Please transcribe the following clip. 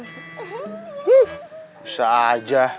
huh bisa aja